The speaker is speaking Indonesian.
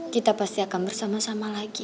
kita pasti akan bersama sama lagi